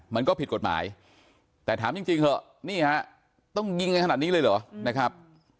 มันก็ผิดกฎหมายแต่ถามจริงเถอะนี่ฮะต้องยิงกันขนาดนี้เลยเหรอนะครับ